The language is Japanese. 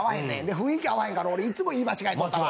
雰囲気合わへんから俺、いっつも言い間違えとったわ。